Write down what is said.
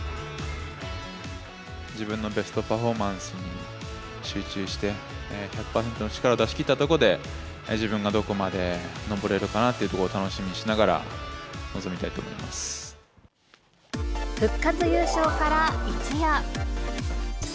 自分のベストパフォーマンスに集中して、１００％の力を出し切ったところで、自分がどこまで上れるかなっていうところを楽しみにしながら臨み復活優勝から一夜。